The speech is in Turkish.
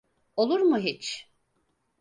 Olur mu hiç?